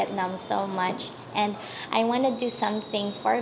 tại quốc gia của nguyễn